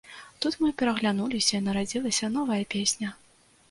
Тут мы пераглянуліся і нарадзілася новая песня.